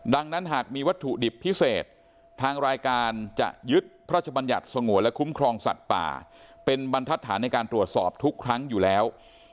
ดังนั้นหากมีวัตถุดิบพิเศษทางรายการจะยึดพระชบัญญัติสงวนและคุ้มครองสัตว์ป่าเป็นบรรทัศนในการตรวจสอบทุกครั้งอยู่แล้ว